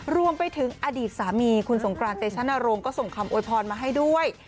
รวมไปถึงอดีตสามีคุณสงกรานเตชนรงค์ก็ส่งคำโวยพรมาให้ด้วย